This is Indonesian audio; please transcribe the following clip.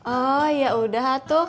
oh yaudah tuh